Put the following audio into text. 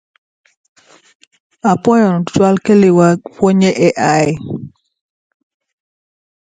A new mini-album, "Recurrence of Hallucination", was also announced.